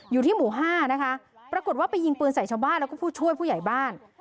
อยู่ที่หมู่ห้านะคะปรากฏว่าไปยิงปืนใส่ชาวบ้านแล้วก็ผู้ช่วยผู้ใหญ่บ้าน